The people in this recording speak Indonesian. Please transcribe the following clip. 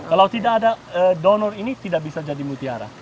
kalau tidak ada donor ini tidak bisa jadi mutiara